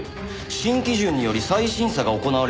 新基準により再審査が行われるとしたら。